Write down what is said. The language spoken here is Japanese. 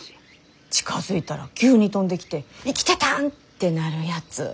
近づいたら急に飛んできて生きてたんってなるやつ。